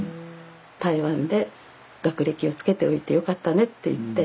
台湾で学歴をつけておいてよかったねって言って。